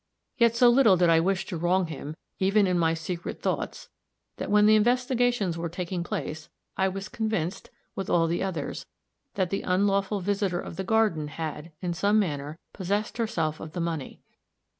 Yet so little did I wish to wrong him, even in my secret thoughts, that when the investigations were taking place, I was convinced, with all the others, that the unlawful visitor of the garden had, in some manner, possessed herself of the money.